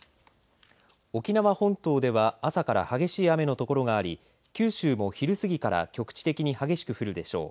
沖縄本島では朝から激しい雨の所があり九州も昼過ぎから局地的に激しく降るでしょう。